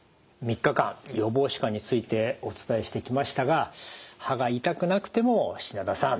３日間予防歯科についてお伝えしてきましたが歯が痛くなくても品田さん